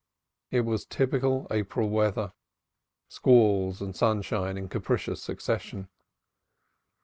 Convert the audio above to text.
It was typical April weather squalls and sunshine in capricious succession.